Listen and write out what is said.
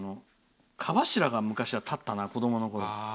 蚊柱が立ったな、子どものころ。